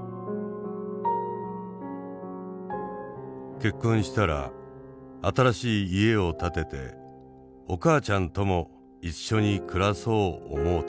「結婚したら新しい家を建ててお母ちゃんとも一緒に暮らそう思うてる」。